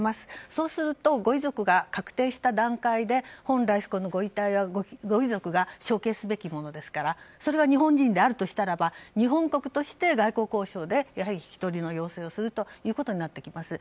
そうするとご遺族が確定した段階で本来ご遺体はご遺族が承継すべきものですからそれは日本人であるなら日本国として外交交渉で引き取りの要請をすることになってきます。